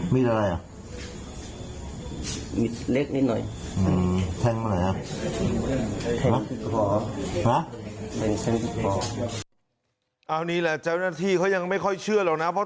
ไม่เคยพิกษ์บอก